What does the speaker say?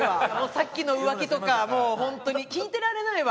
さっきの浮気とかもう本当に聞いてられないわ！